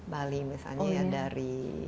bali misalnya ya dari